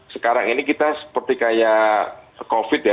sekarang ini kita seperti kayak covid ya